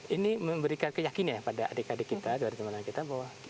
ini memberikan keyakinan ya pada adik adik kita para teman teman kita bahwa